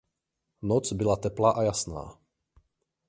Noc byla teplá a jasná.